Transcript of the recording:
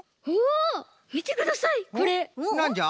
なんじゃ？